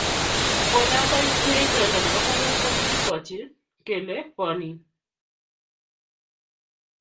kwonyoto tinyei itondo nebo kwong'ut ko kikibwotyi kele bonin